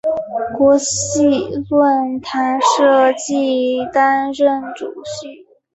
国际论坛设计担任主席。